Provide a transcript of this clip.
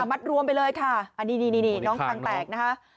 มัดรวมไปเลยค่ะอันนี้นี่น้องคางแตกนะคะ